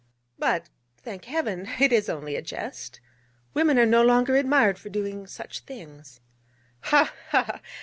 But, thank Heaven, it is only a jest. Women are no longer admired for doing such things.' 'Ha! ha!